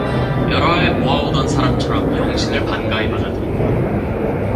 여러 해 보아 오던 사람처럼 영신을 반가이 맞아들인다.